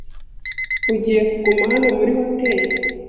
Ugiye kuguma hano muri hoteri?